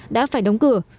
đã phải đóng cửa